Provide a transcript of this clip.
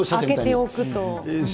あけておくと。